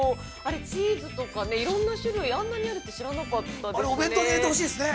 チーズとかねいろんな種類あんなにあるって知らなかったですね。